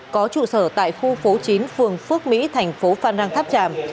có trụ sở tại khu phố chín phường phước mỹ thành phố phan rang tháp tràm